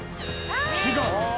違う？